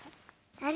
あれ？